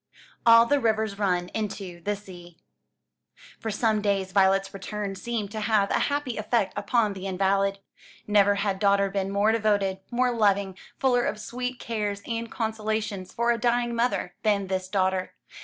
"All the Rivers run into the Sea." For some days Violet's return seemed to have a happy effect upon the invalid. Never had daughter been more devoted, more loving, fuller of sweet cares and consolations for a dying mother, than this daughter.